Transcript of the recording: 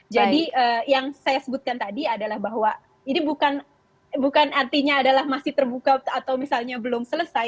jadi yang saya sebutkan tadi adalah bahwa ini bukan artinya adalah masih terbuka atau misalnya belum selesai